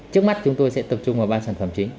trước mắt chúng tôi sẽ tập trung vào ba sản phẩm chính